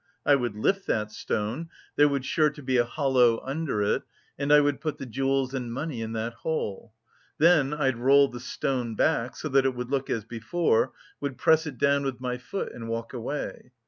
I would lift that stone there would sure to be a hollow under it, and I would put the jewels and money in that hole. Then I'd roll the stone back so that it would look as before, would press it down with my foot and walk away.